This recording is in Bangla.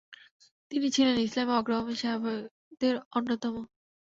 তিনি ছিলেন ইসলামে অগ্রগামী সাহাবীদের অন্যতম।